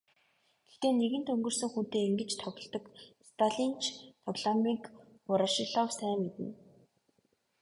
Гэхдээ нэгэнт өнгөрсөн хүнтэй ингэж тоглодог сталинч тоглоомыг Ворошилов сайн мэднэ.